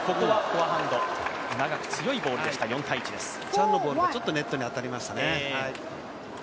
チャンのボールがちょっとネットに当たりましたね。